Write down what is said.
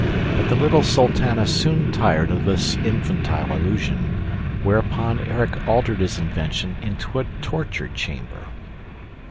But the little sultana soon tired of this infantile illusion, whereupon Erik altered his invention into a "torture chamber."